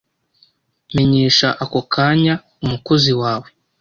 Menyesha ako kanya umukozi wawe. )